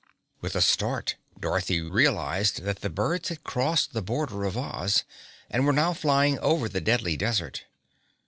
With a start Dorothy realized that the birds had crossed the border of Oz and were now flying over the Deadly Desert.